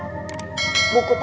buku tabungan kita